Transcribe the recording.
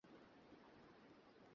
এটা একটা অদ্ভুত সমস্যা।